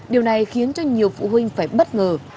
điều này khiến cho nhiều phụ huynh phải bất ngờ